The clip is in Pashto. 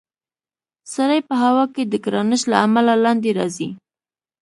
سړی په هوا کې د ګرانش له امله لاندې راځي.